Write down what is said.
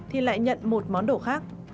thì lại nhận một món đồ khác